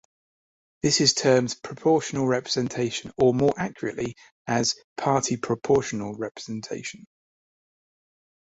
This is termed "proportional representation" or more accurately as "party-proportional representation".